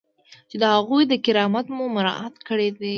چې د هغوی کرامت مو مراعات کړی دی.